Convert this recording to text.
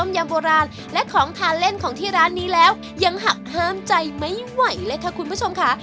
ยังหักห้ามใจไม่ไหวล่ะค่ะคุณผู้ชมคะ